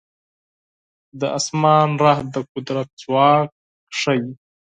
د اسمان رعد د قدرت ځواک ښيي.